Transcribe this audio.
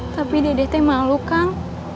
tapi dede teh malu kang